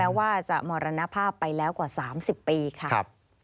ว่าจะมรณภาพไปแล้วกว่า๓๐ปีค่ะ